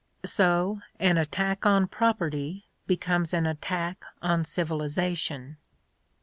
Bb an attack on Property becomes an attack on Civilization.